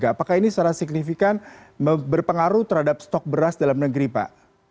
apakah ini secara signifikan berpengaruh terhadap stok beras dalam negeri pak